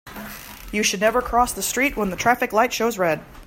You should never cross the street when the traffic light shows red.